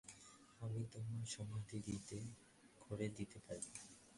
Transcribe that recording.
আমি তোর সমাধি করে দিতে পারি।